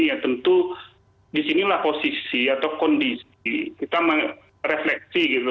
ya tentu di sinilah posisi atau kondisi kita refleksi gitu